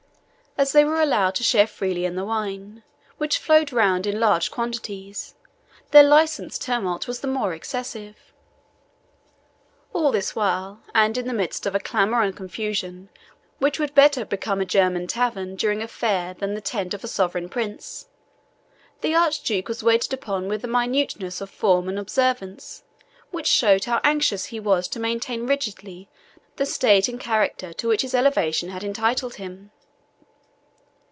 As they were allowed to share freely in the wine, which flowed round in large quantities, their licensed tumult was the more excessive. All this while, and in the midst of a clamour and confusion which would better have become a German tavern during a fair than the tent of a sovereign prince, the Archduke was waited upon with a minuteness of form and observance which showed how anxious he was to maintain rigidly the state and character to which his elevation had entitled him.